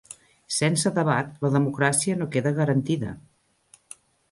Sense debat la democràcia no queda garantida